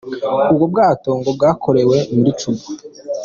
Ubwo bwato ngo bwakorewe muri Cuba.